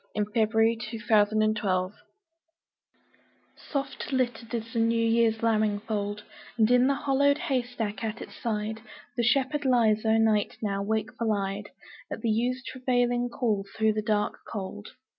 Dante Gabriel Rossetti Spring SOFT LITTERED is the new year's lambing fold, And in the hollowed haystack at its side The shepherd lies o' night now, wakeful eyed At the ewes' travailing call through the dark cold.